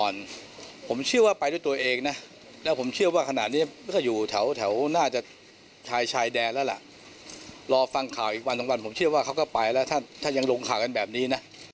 นี่ไงคือเอาล่ะตอนนี้